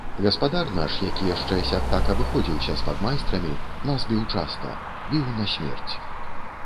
Гаспадар наш, які яшчэ сяк-так абыходзіўся з падмайстрамі, нас біў часта, біў насмерць.